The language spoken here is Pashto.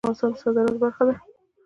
زغال د افغانستان د صادراتو برخه ده.